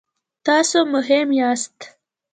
تاسو مهم یاست